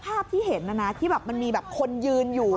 ภาพที่เห็นน่ะนะที่มันมีคนยืนอยู่